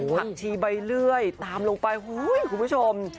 ผักชีใบเลื่อยตามลงไปคุณผู้ชม